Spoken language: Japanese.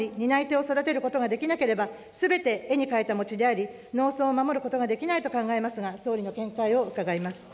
農地を守り担い手を育てることができれば、すべて絵に描いた餅であり、農村を守ることができないと考えますが、総理の見解を伺います。